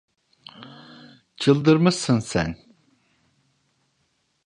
Çıldırmışsın sen!